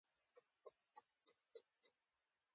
افغانان د وچې میوې سره چای څښي.